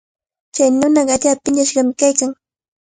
Chay nunaqa allaapa piñashqami kaykan.